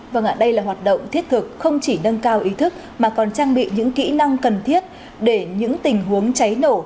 vâng ạ đây là hoạt động thiết thực không chỉ nâng cao ý thức mà còn trang bị những kỹ năng cần thiết để những tình huống cháy nổ